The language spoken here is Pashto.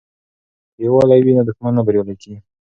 که یووالي وي نو دښمن نه بریالی کیږي.